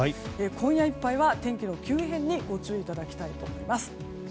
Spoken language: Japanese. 今夜いっぱいは天気の急変にご注意いただきたいと思います。